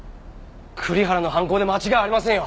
栗原の犯行で間違いありませんよ！